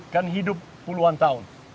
kan hidup puluhan tahun